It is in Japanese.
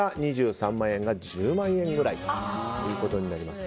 ２３万円が１０万円ぐらいとなります。